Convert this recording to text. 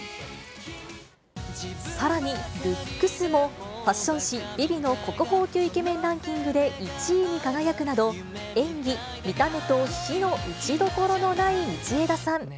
さらに、ルックスも、ファッション誌、ＶｉＶｉの国宝級イケメンランキングで１位に輝くなど、演技、見た目と、非の打ち所のない道枝さん。